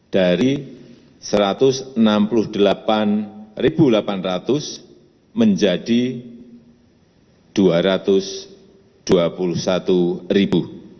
dari satu ratus enam puluh delapan delapan ratus menjadi rp dua ratus dua puluh satu